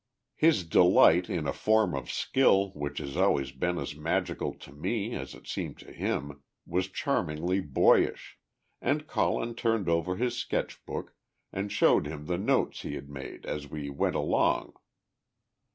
His delight in a form of skill which has always been as magical to me as it seemed to him, was charmingly boyish, and Colin turned over his sketch book, and showed him the notes he had made as we went along.